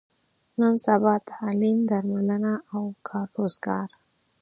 نن سبا تعلیم، درملنه او کار روزګار.